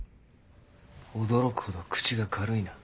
驚くほど口が軽いな。